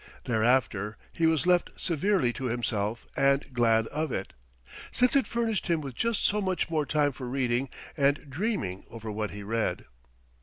Thereafter he was left severely to himself and glad of it, since it furnished him with just so much more time for reading and dreaming over what he read.